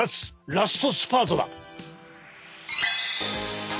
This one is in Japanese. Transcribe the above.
ラストスパートだ！